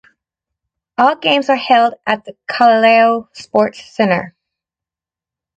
All games are held at the Callao Sports Center.